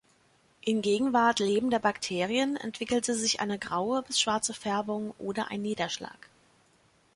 In Gegenwart lebender Bakterien entwickelte sich eine graue bis schwarze Färbung oder ein Niederschlag.